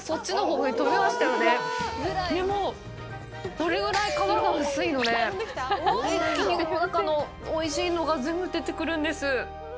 それぐらい皮が薄いので、一気に中のおいしいのが全部出てくるんです。